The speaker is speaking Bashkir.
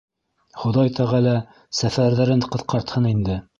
— Хоҙай тәғәлә сәфәрҙәрен ҡыҫҡартһын инде.